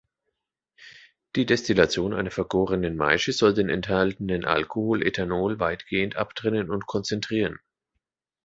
Die Destillation einer vergorenen Maische soll den enthaltenen Alkohol Ethanol weitgehend abtrennen und konzentrieren.